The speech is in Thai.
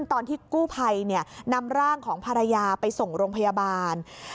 ตอนที่กู้ภัยนำร่างของภรรยาไปส่งโรงพยาบาล